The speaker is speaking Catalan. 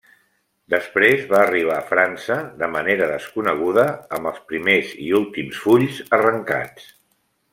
Després va arribar a França de manera desconeguda amb els primers i últims fulls arrencats.